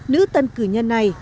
nữ tân cử nhân này